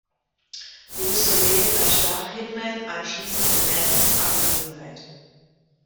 Beausoleil erstach Hinman anschließend in Mansons Abwesenheit.